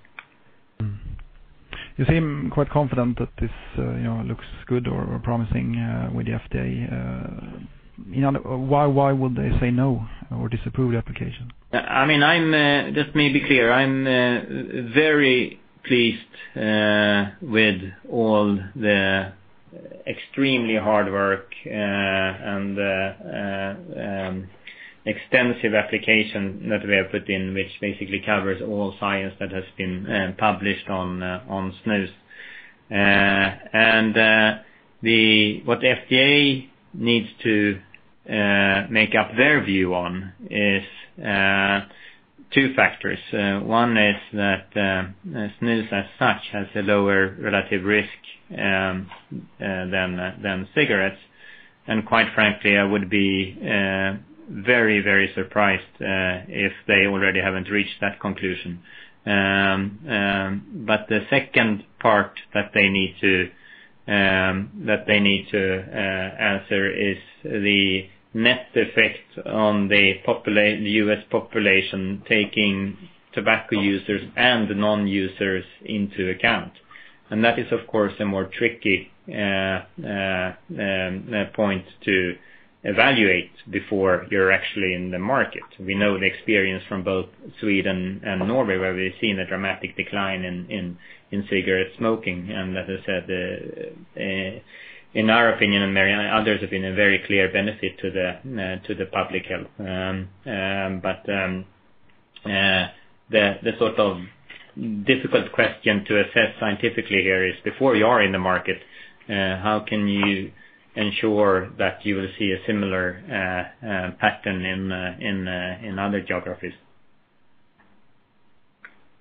You seem quite confident that this looks good or promising with the FDA. Why would they say no or disapprove the application? Just to be clear, I'm very pleased with all the extremely hard work and extensive application that we have put in, which basically covers all science that has been published on snus. What the FDA needs to make up their view on is two factors. One is that snus as such has a lower relative risk than cigarettes. Quite frankly, I would be very surprised if they already haven't reached that conclusion. The second part that they need to answer is the net effect on the U.S. population, taking tobacco users and non-users into account. That is of course, a more tricky point to evaluate before you're actually in the market. We know the experience from both Sweden and Norway, where we've seen a dramatic decline in cigarette smoking. As I said, in our opinion and many others, have been a very clear benefit to the public health. The difficult question to assess scientifically here is, before you are in the market, how can you ensure that you will see a similar pattern in other geographies.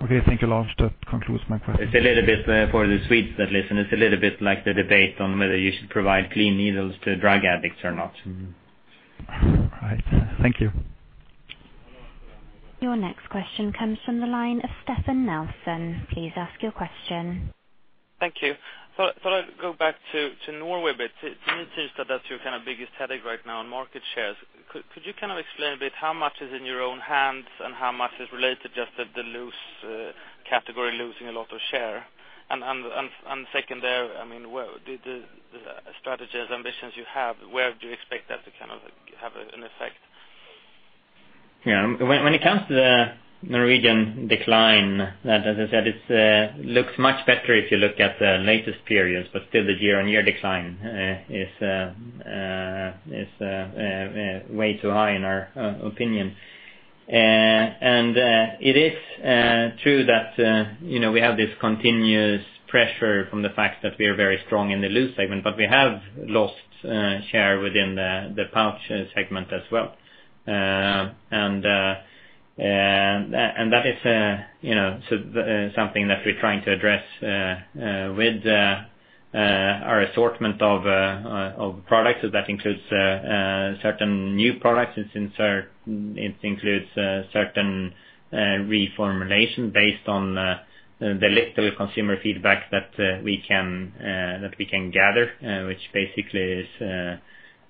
Okay. Thank you a lot. That concludes my questions. For the Swedes that listen, it's a little bit like the debate on whether you should provide clean needles to drug addicts or not. All right. Thank you. Your next question comes from the line of Stefan Nelson. Please ask your question. Thank you. Thought I'd go back to Norway a bit. To me it seems that that's your biggest headache right now in market shares. Could you explain a bit how much is in your own hands and how much is related just to the loose category losing a lot of share? Second, there, the strategies, ambitions you have, where do you expect that to have an effect? Yeah. When it comes to the Norwegian decline, as I said, it looks much better if you look at the latest periods, but still the year-on-year decline is way too high in our opinion. It is true that we have this continuous pressure from the fact that we are very strong in the loose segment, but we have lost share within the pouch segment as well. That is something that we're trying to address with our assortment of products. That includes certain new products, it includes certain reformulation based on the little consumer feedback that we can gather, which basically is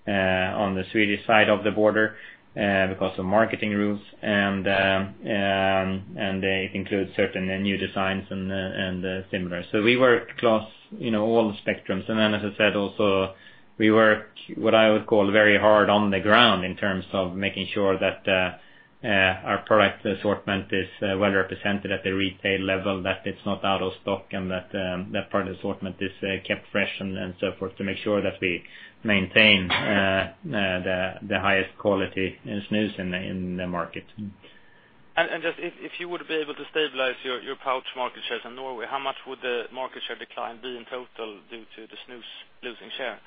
on the Swedish side of the border because of marketing rules, and they include certain new designs and similar. We work across all the spectrums. As I said, also we work, what I would call very hard on the ground in terms of making sure that our product assortment is well represented at the retail level, that it's not out of stock, and that product assortment is kept fresh and so forth, to make sure that we maintain the highest quality in snus in the market. Just if you would be able to stabilize your pouch market shares in Norway, how much would the market share decline be in total due to the snus losing share?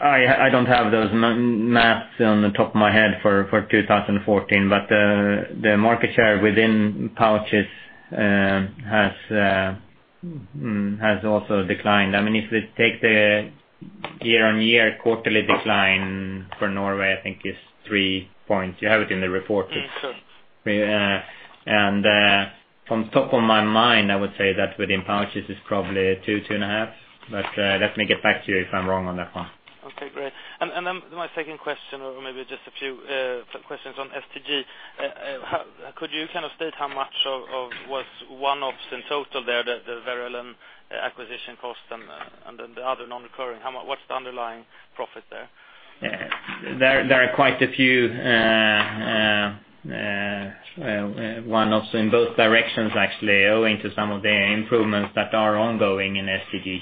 I don't have those math on the top of my head for 2014, but the market share within pouches has also declined. If we take the year-on-year quarterly decline for Norway, I think is three points. You have it in the report. Yes, sir. From top of my mind, I would say that within pouches is probably two and a half. Let me get back to you if I'm wrong on that one. Okay, great. My second question, or maybe just a few questions on STG. Could you state how much of was one-offs in total there, the Verellen acquisition cost and then the other non-recurring? What's the underlying profit there? There are quite a few one-offs in both directions actually, owing to some of the improvements that are ongoing in STG.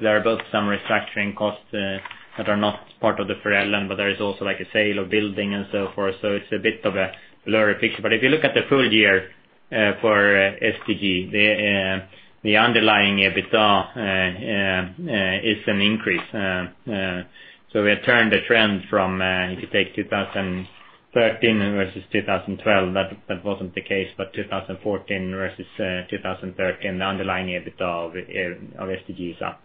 There are both some restructuring costs that are not part of the Verellen, but there is also a sale of building and so forth. It's a bit of a blurry picture. If you look at the full year for STG, the underlying EBITDA is an increase. We turned the trend from, if you take 2013 versus 2012, that wasn't the case, but 2014 versus 2013, the underlying EBITDA of STG is up.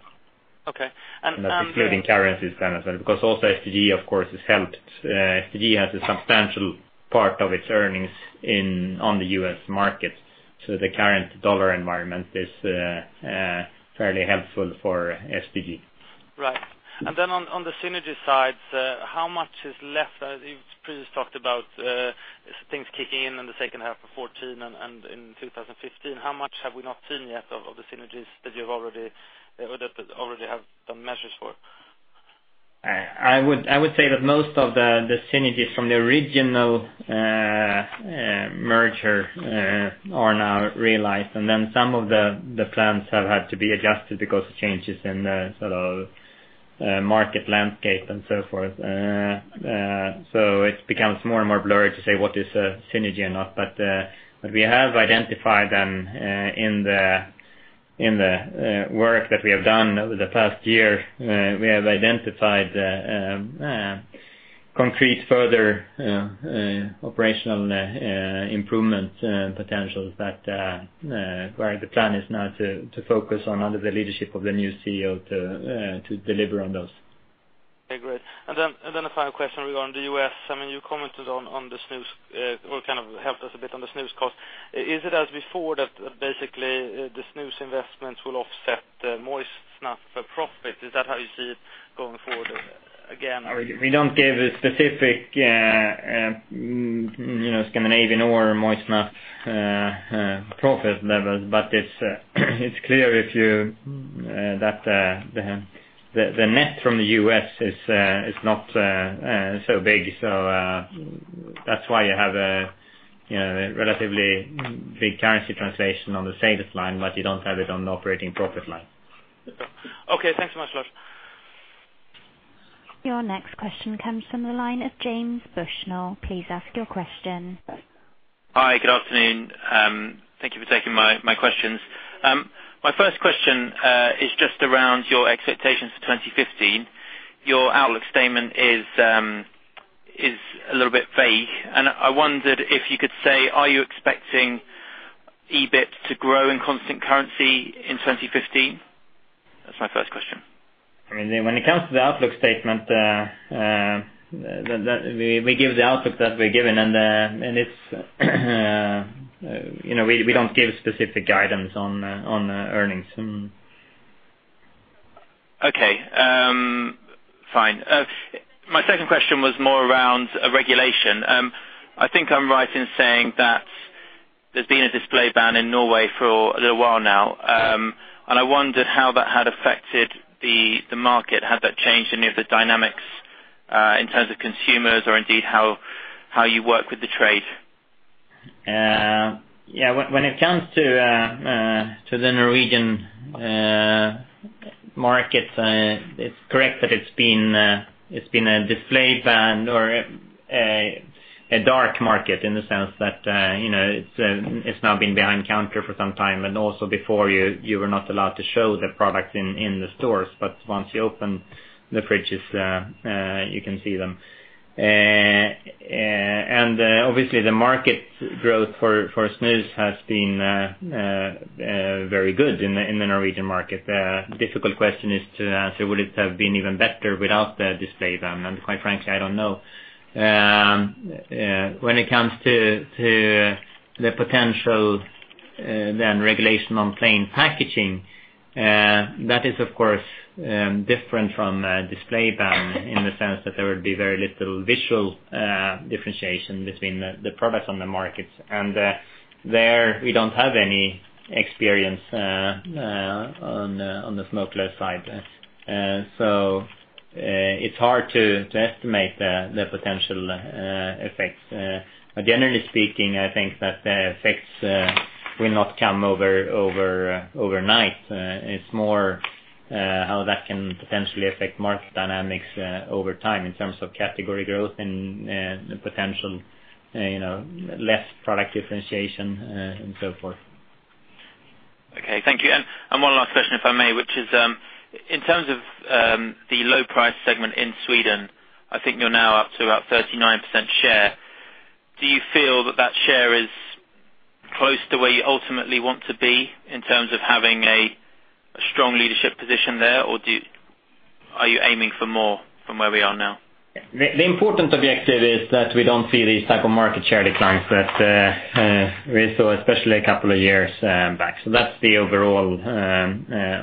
Okay. That's including currencies kind of, because also STG, of course, is helped. STG has a substantial part of its earnings on the U.S. market, the current dollar environment is fairly helpful for STG. Right. Then on the synergy side, how much is left? You've previously talked about things kicking in the second half of 2014 and in 2015. How much have we not seen yet of the synergies that you already have done measures for? I would say that most of the synergies from the original merger are now realized. Some of the plans have had to be adjusted because of changes in the sort of market landscape and so forth. It becomes more and more blurred to say what is a synergy or not. We have identified them in the work that we have done over the past year. We have identified concrete further operational improvement potentials where the plan is now to focus on under the leadership of the new CEO to deliver on those. Okay, great. A final question regarding the U.S. You commented on the snus, or kind of helped us a bit on the snus cost. Is it as before that basically the snus investments will offset moist snuff profit? Is that how you see it going forward again? We don't give a specific Scandinavian or moist snuff profit levels. It's clear that the net from the U.S. is not so big. That's why you have a relatively big currency translation on the sales line, but you don't have it on the operating profit line. Okay. Thanks so much, Lars. Your next question comes from the line of James Bushnell. Please ask your question. Hi. Good afternoon. Thank you for taking my questions. My first question is just around your expectations for 2015. Your outlook statement is a little bit vague, and I wondered if you could say, are you expecting EBIT to grow in constant currency in 2015? That's my first question. When it comes to the outlook statement, we give the outlook that we're giving, and we don't give specific guidance on earnings. Okay. Fine. My second question was more around regulation. I think I'm right in saying that there's been a display ban in Norway for a little while now. I wondered how that had affected the market. Had that changed any of the dynamics in terms of consumers or indeed how you work with the trade? Yeah. When it comes to the Norwegian markets, it's correct that it's been a display ban or a dark market in the sense that it's now been behind counter for some time, and also before you were not allowed to show the product in the stores. But once you open the fridges you can see them. Obviously, the market growth for snus has been very good in the Norwegian market. The difficult question is to answer, would it have been even better without the display ban? Quite frankly, I don't know. When it comes to the potential, then, regulation on plain packaging, that is, of course, different from a display ban in the sense that there would be very little visual differentiation between the products on the market. There we don't have any experience on the smokeless side. It's hard to estimate the potential effects. Generally speaking, I think that the effects will not come overnight. It's more how that can potentially affect market dynamics over time in terms of category growth and potential less product differentiation and so forth. Okay. Thank you. One last question, if I may, which is, in terms of the low price segment in Sweden, I think you're now up to about 39% share. Do you feel that that share is close to where you ultimately want to be in terms of having a strong leadership position there, or are you aiming for more from where we are now? The important objective is that we don't see these type of market share declines that we saw, especially a couple of years back. That's the overall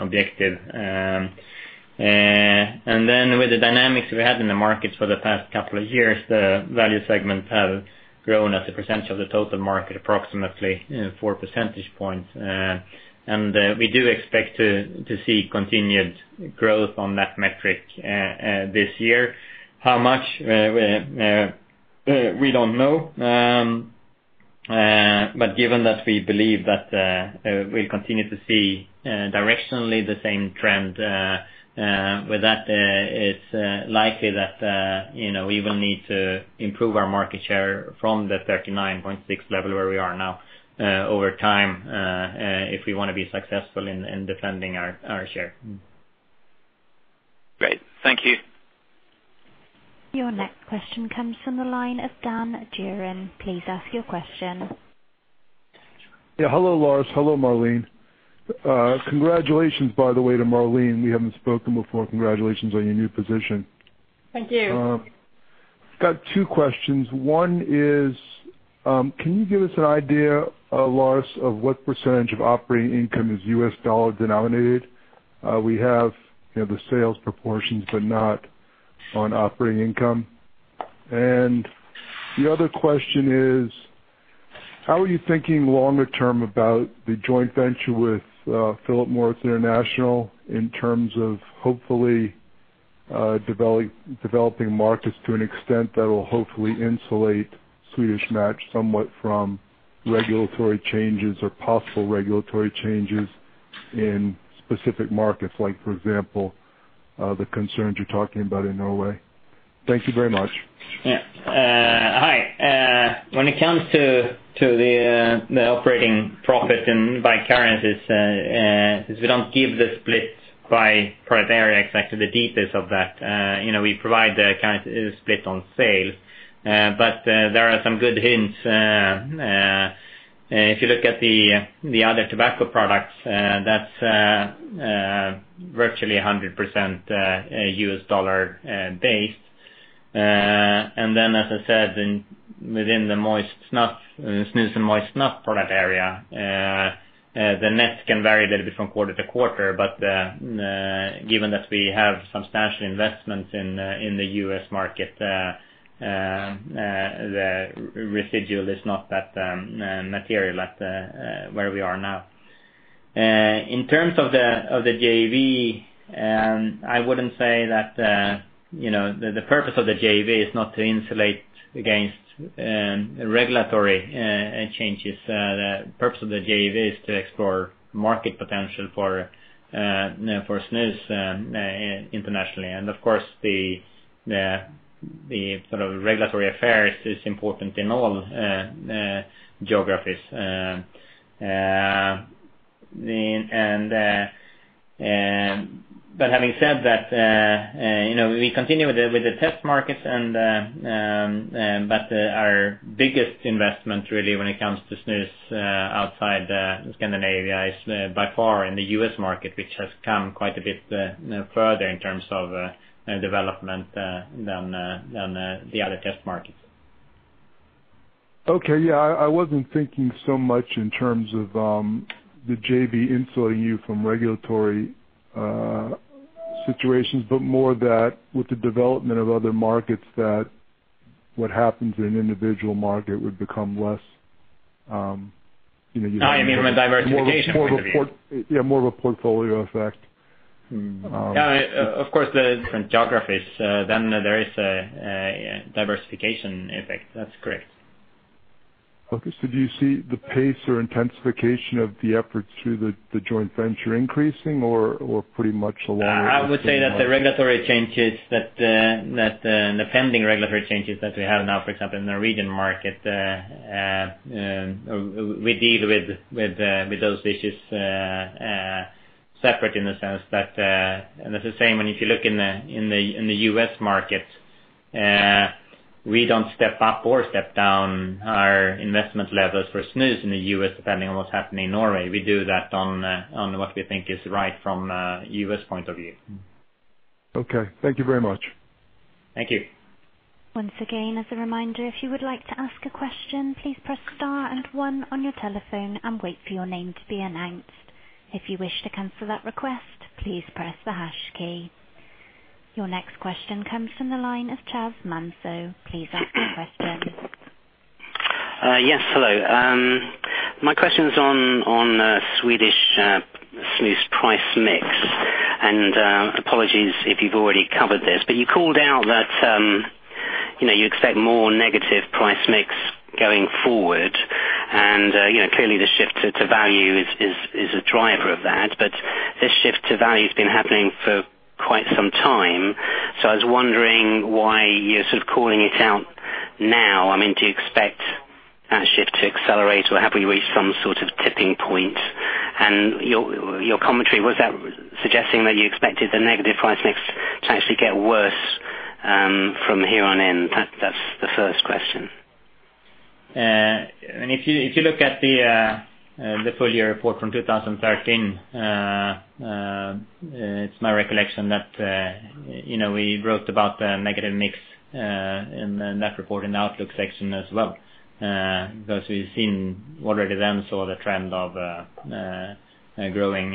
objective. With the dynamics we had in the markets for the past couple of years, the value segments have grown as a percentage of the total market, approximately four percentage points. We do expect to see continued growth on that metric this year. How much? We don't know. Given that we believe that we'll continue to see directionally the same trend with that, it's likely that we will need to improve our market share from the 39.6 level where we are now over time if we want to be successful in defending our share. Great. Thank you. Your next question comes from the line of Dan Durian. Please ask your question. Yeah. Hello, Lars. Hello, Marlene. Congratulations, by the way, to Marlene. We haven't spoken before. Congratulations on your new position. Thank you. Got two questions. One is, can you give us an idea, Lars, of what % of operating income is US dollar denominated? We have the sales proportions, but not on operating income. The other question is, how are you thinking longer term about the joint venture with Philip Morris International in terms of hopefully developing markets to an extent that will hopefully insulate Swedish Match somewhat from regulatory changes or possible regulatory changes in specific markets, like, for example, the concerns you are talking about in Norway? Thank you very much. Yeah. Hi. When it comes to the operating profit and by currencies, we don't give the split by product area exactly the deepest of that. We provide the currency split on sales. There are some good hints. If you look at the other tobacco products, that's virtually 100% US dollar based. Then, as I said, within the snus and moist snuff product area, the net can vary a little bit from quarter-to-quarter. Given that we have substantial investments in the U.S. market, the residual is not that material where we are now. In terms of the JV, I wouldn't say that the purpose of the JV is not to insulate against regulatory changes. The purpose of the JV is to explore market potential for snus internationally. Of course, the sort of regulatory affairs is important in all geographies. Having said that, we continue with the test markets. Our biggest investment really when it comes to snus outside Scandinavia is by far in the U.S. market, which has come quite a bit further in terms of development than the other test markets. Okay. Yeah, I wasn't thinking so much in terms of the JV insulating you from regulatory situations, but more that with the development of other markets, that what happens in individual market would become less. Oh, you mean from a diversification point of view? Yeah, more of a portfolio effect. Yeah. Of course, the different geographies, there is a diversification effect. That's correct. Okay. Do you see the pace or intensification of the efforts through the joint venture increasing or pretty much aligned? I would say that the regulatory changes, the pending regulatory changes that we have now, for example, in the Norwegian market, we deal with those issues separate in a sense that. It's the same when if you look in the U.S. market. We don't step up or step down our investment levels for snus in the U.S., depending on what's happening in Norway. We do that on what we think is right from a U.S. point of view. Okay. Thank you very much. Thank you. Once again, as a reminder, if you would like to ask a question, please press star and one on your telephone and wait for your name to be announced. If you wish to cancel that request, please press the hash key. Your next question comes from the line of Chaz Manso. Please ask your question. Yes, hello. My question's on Swedish snus price mix, and apologies if you've already covered this. You called out that you expect more negative price mix going forward, and clearly the shift to value is a driver of that. This shift to value has been happening for quite some time, so I was wondering why you're sort of calling it out now. Do you expect that shift to accelerate, or have we reached some sort of tipping point? Your commentary, was that suggesting that you expected the negative price mix to actually get worse from here on in? That's the first question. If you look at the full year report from 2013, it's my recollection that we wrote about the negative mix in that report, in the outlook section as well. We've seen already then saw the trend of a growing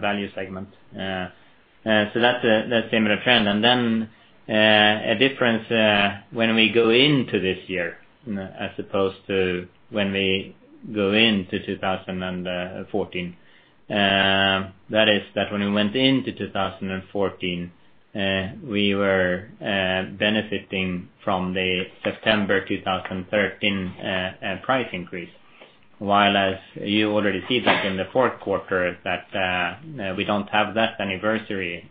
value segment. That's a similar trend. A difference when we go into this year as opposed to when we go into 2014. That is that when we went into 2014, we were benefiting from the September 2013 price increase. While as you already see back in the fourth quarter that we don't have that anniversary.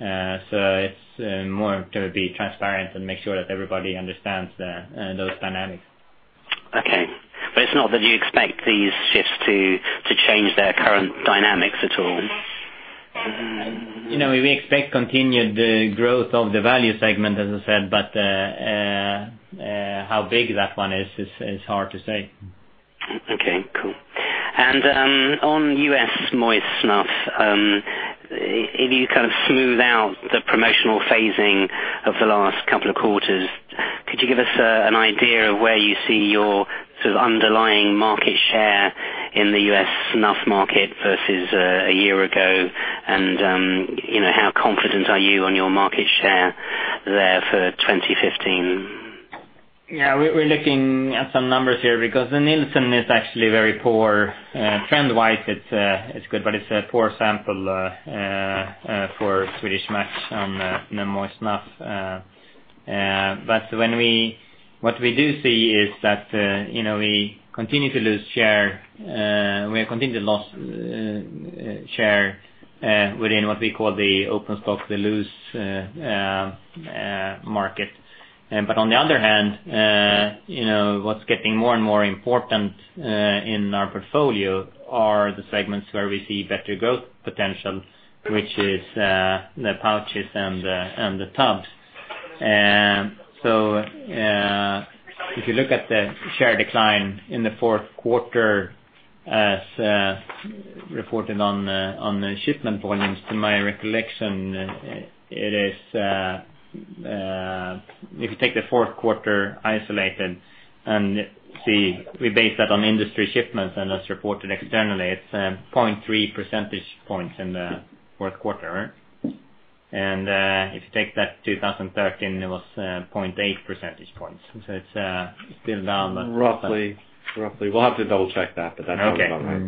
It's more to be transparent and make sure that everybody understands those dynamics. Okay. It's not that you expect these shifts to change their current dynamics at all? We expect continued growth of the value segment, as I said. How big that one is hard to say. Okay, cool. On U.S. moist snuff, if you kind of smooth out the promotional phasing of the last couple of quarters, could you give us an idea of where you see your sort of underlying market share in the U.S. snuff market versus a year ago? How confident are you on your market share there for 2015? Yeah, we're looking at some numbers here because the Nielsen is actually very poor. Trend-wise, it's good, but it's a poor sample for Swedish Match on the moist snuff. What we do see is that we continue to lose share. We have continued to lose share within what we call the open stock, the loose market. On the other hand, what's getting more and more important in our portfolio are the segments where we see better growth potential, which is the pouches and the tubs. If you look at the share decline in the fourth quarter as reported on the shipment volumes, to my recollection, if you take the fourth quarter isolated and we base that on industry shipments and as reported externally, it's 0.3 percentage points in the fourth quarter. If you take that 2013, it was 0.8 percentage points. It's still down, but Roughly. We'll have to double-check that, but that sounds about right.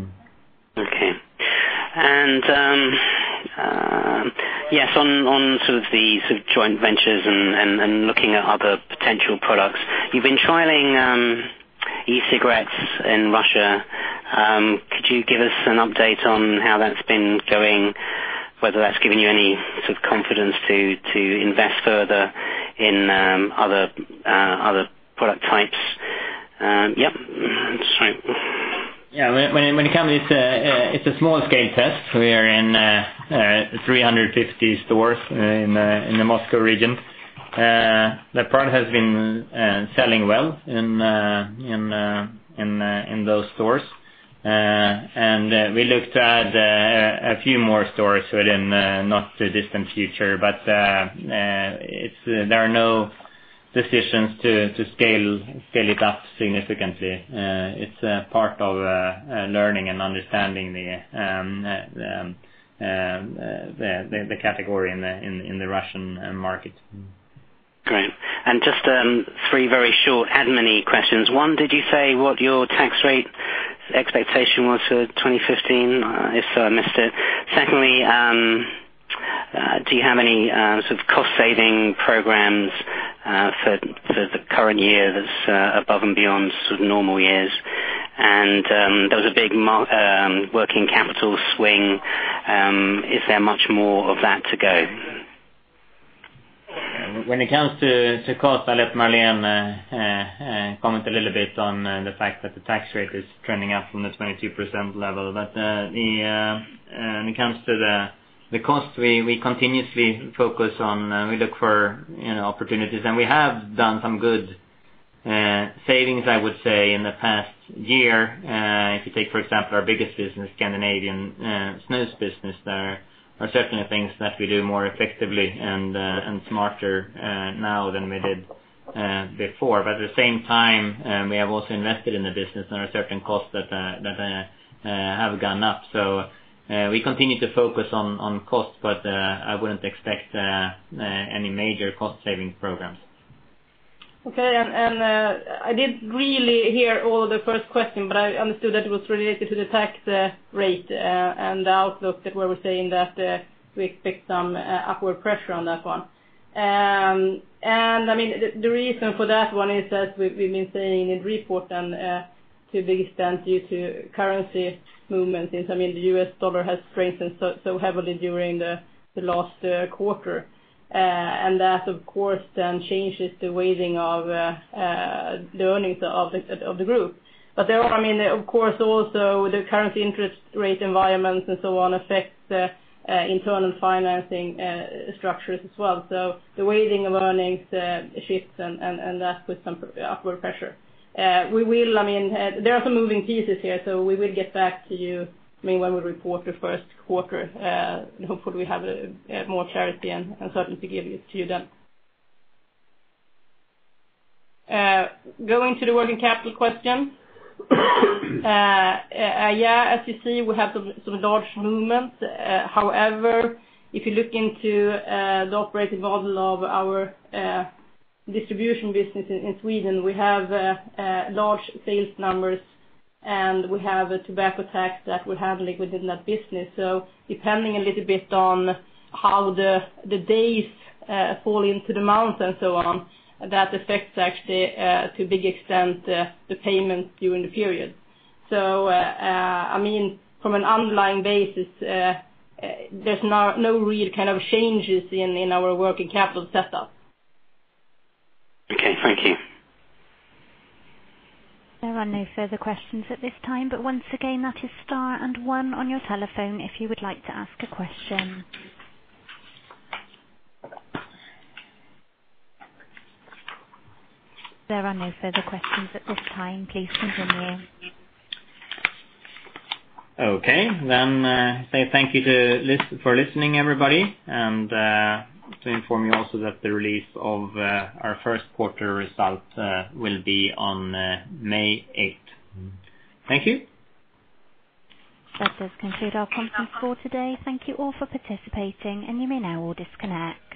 Okay. Yes, on sort of the joint ventures and looking at other potential products, you've been trialing e-cigarettes in Russia. Could you give us an update on how that's been going, whether that's given you any sort of confidence to invest further in other product types? Yep. Sorry. Yeah. When it comes, it's a small-scale test. We are in 350 stores in the Moscow region. The product has been selling well in those stores. We look to add a few more stores within the not-too-distant future. There are no decisions to scale it up significantly. It's part of learning and understanding the category in the Russian market. Great. Just three very short admin-y questions. One, did you say what your tax rate expectation was for 2015 if I missed it? Secondly, do you have any sort of cost-saving programs for the current year that's above and beyond sort of normal years? There was a big working capital swing. Is there much more of that to go? When it comes to cost, I'll let Marlene comment a little bit on the fact that the tax rate is trending up from the 22% level. When it comes to the cost, we continuously focus on and we look for opportunities, and we have done some good savings, I would say, in the past year. If you take, for example, our biggest business, Scandinavian snus business, there are certainly things that we do more effectively and smarter now than we did before. At the same time, we have also invested in the business, and there are certain costs that have gone up. We continue to focus on cost, but I wouldn't expect any major cost-saving programs. Okay. I didn't really hear all the first question, but I understood that it was related to the tax rate and the outlook where we are saying that we expect some upward pressure on that one. The reason for that one is that we have been saying in the report and to a big extent due to currency movement, since the U.S. dollar has strengthened so heavily during the last quarter. That, of course, then changes the weighting of the earnings of the group. Of course, also the current interest rate environment and so on affects the internal financing structures as well. The weighting of earnings shifts, and that puts some upward pressure. There are some moving pieces here, so we will get back to you when we report the first quarter. Hopefully, we have more clarity and certainty to give to you then. Going to the working capital question. Yeah, as you see, we have some large movements. However, if you look into the operating model of our distribution business in Sweden, we have large sales numbers, and we have a tobacco tax that we handle within that business. Depending a little bit on how the days fall into the month and so on, that affects actually to a big extent the payment during the period. From an underlying basis, there is no real kind of changes in our working capital setup. Okay, thank you. There are no further questions at this time, but once again, that is star and one on your telephone if you would like to ask a question. There are no further questions at this time. Please continue. Okay. Say thank you for listening, everybody, to inform you also that the release of our first quarter result will be on May 8th. Thank you. That does conclude our conference call today. Thank you all for participating. You may now all disconnect.